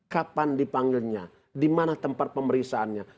kapan dipanggilnya di mana tempat pemeriksaannya